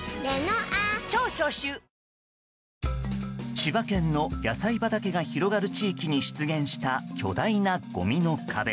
千葉県の野菜畑が広がる地域に出現した、巨大なごみの壁。